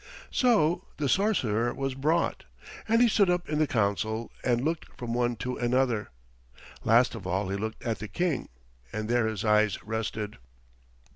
So the sorcerer was brought, and he stood up in the council and looked from one to another. Last of all he looked at the King, and there his eyes rested.